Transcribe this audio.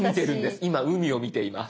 今海を見ています。